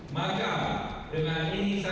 maka dengan ini saya